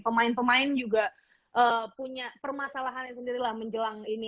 pemain pemain juga punya permasalahannya sendiri lah menjelang ini